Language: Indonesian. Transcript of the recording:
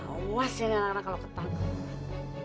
awas ini anak kalau ketangkep